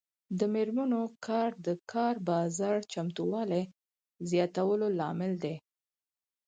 د میرمنو کار د کار بازار چمتووالي زیاتولو لامل دی.